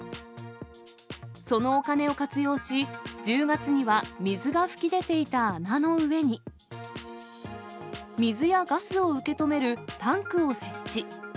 そのお金を活用し、１０月には水が噴き出ていた穴の上に、水やガスを受け止めるタンクを設置。